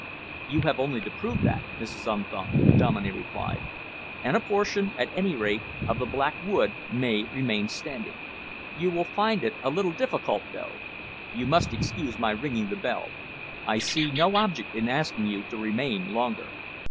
"You have only to prove that, Mrs. Unthank," Dominey replied, "and a portion, at any rate, of the Black Wood may remain standing. You will find it a little difficult, though. You must excuse my ringing the bell. I see no object in asking you to remain longer."